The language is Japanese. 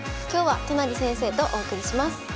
今日は都成先生とお送りします。